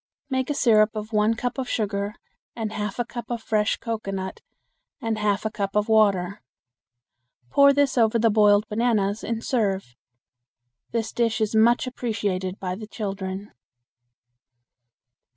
Make a syrup of one cup of sugar and half a cup of fresh cocoanut and half a cup of water. Pour this over the boiled bananas and serve. This dish is much appreciated by the children.